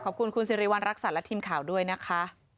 ขอบคุณคุณสิริวัณรักษัตริย์และทีมข่าวด้วยนะคะ